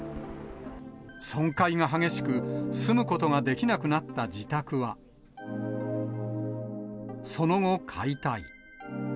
損壊が激しく、住むことができなくなった自宅は、その後、解体。